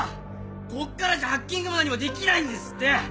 ここからじゃハッキングも何もできないんですって！